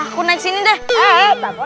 aku naik sini dah